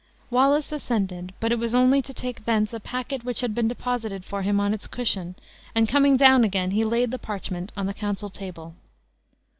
Wallace ascended; but it was only to take thence a packet which had been deposited for him on its cushion, and coming down again, he laid the parchment on the council table.